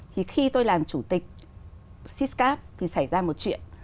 thì khi tôi làm chủ tịch siscap thì xảy ra một chuyện